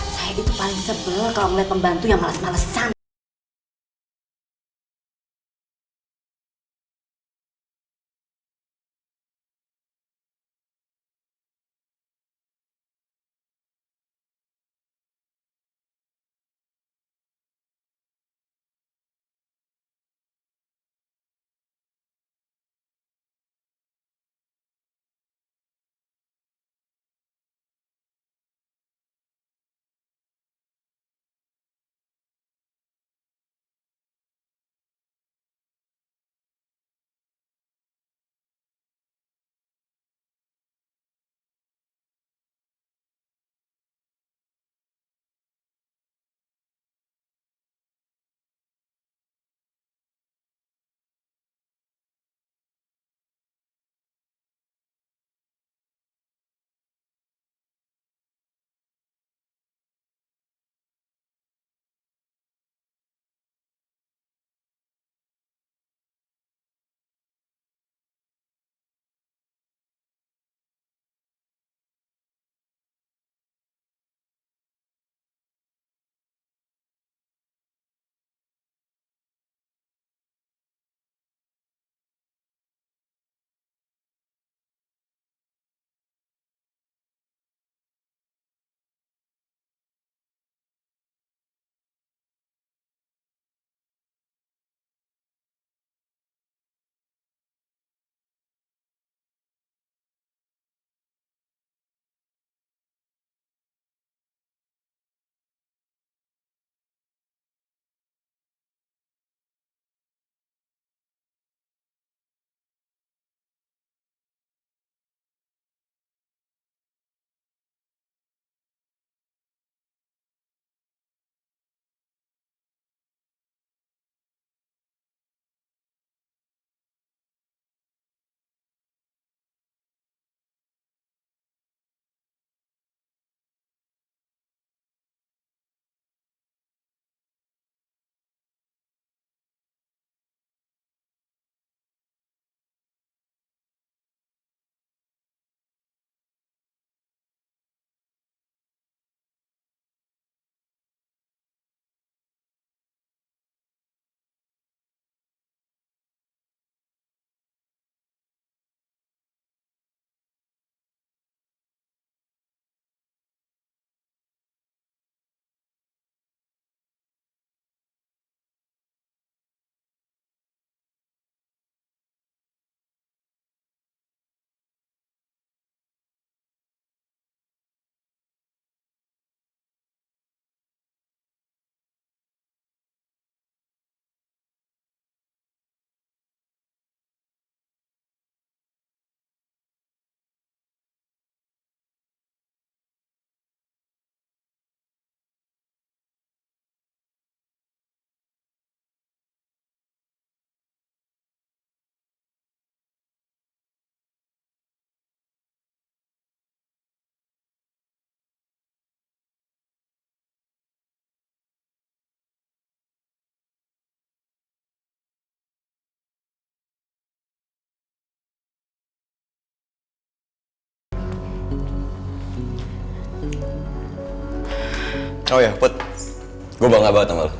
saya itu paling sebel kalau melihat pembantu yang males malesan